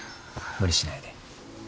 無理しないで。